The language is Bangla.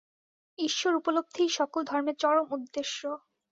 ঈশ্বরোপলব্ধিই সকল ধর্মের চরম উদ্দেশ্য।